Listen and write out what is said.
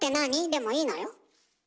でもいいのよ。